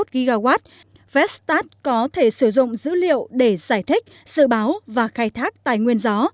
hai mươi một gigawatt vestat có thể sử dụng dữ liệu để giải thích dự báo và khai thác tài nguyên gió